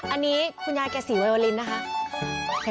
อันนี้คุณยายแก่สีไวลินนะคะ